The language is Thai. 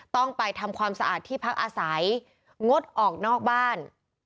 ต้องไปทำความสะอาดที่พักอาศัยงดออกนอกบ้าน